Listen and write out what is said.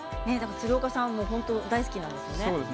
鶴岡さん大好きなんですよね。